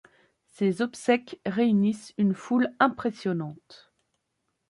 Ses obsèques réunissent une foule impressionnante.